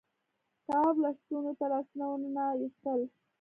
تواب لستونو ته لاسونه وننه ایستل.